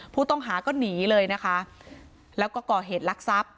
ผู้ต้องหาก็หนีเลยนะคะแล้วก็ก่อเหตุลักษัพ